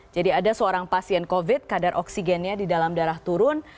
jadi ada seorang pasien covid kadar oksigennya di dalam darah turun